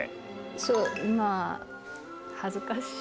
そう、まあ、恥ずかしい。